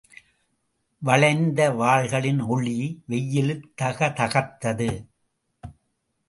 வளைந்த வாள்களின் ஒளி வெயிலில் தகதகத்தது.